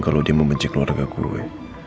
kalau dia membenci keluarga guru